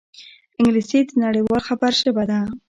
انګلیسي د نړيوال خبر ژبه ده